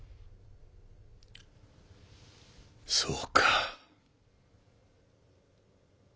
そうか。